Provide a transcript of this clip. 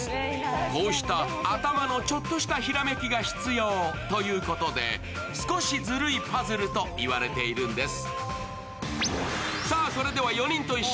こうした頭のちょっとしたひらめきが必要ということで、「すこしずるいパズル」と言われているんです。